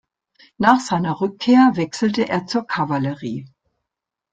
Nach seiner Rückkehr wechselte er zur Kavallerie.